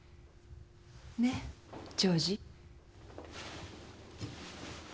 ねっジョージ。